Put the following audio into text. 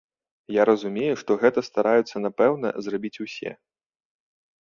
Я разумею, што гэта стараюцца напэўна, зрабіць усе.